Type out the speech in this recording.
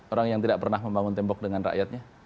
orang yang tidak pernah membangun tembok dengan rakyatnya